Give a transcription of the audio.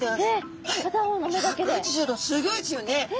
すギョいですよね。